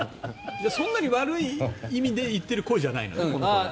そんなに悪い意味で言ってる声じゃないのね。